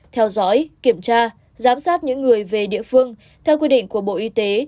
theo dõi kiểm tra giám sát những người về địa phương theo quy định của bộ y tế